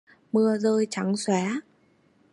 Mưa rơi trắng xóa